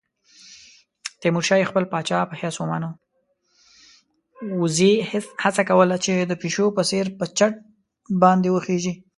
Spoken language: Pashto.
وزې هڅه کوله چې د پيشو په څېر په چت باندې وخېژي.